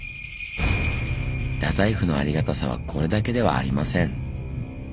太宰府のありがたさはこれだけではありません。